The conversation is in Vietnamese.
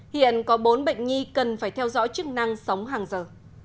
hiện có bốn bệnh nhi cần phải theo dõi chức năng sống hàng giờ